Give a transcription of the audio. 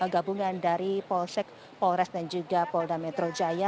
gabungan dari polsek polres dan juga polda metro jaya